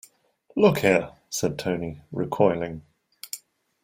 "Look here," said Tony, recoiling.